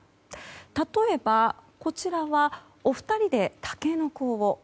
例えば、こちらはお二人でタケノコを。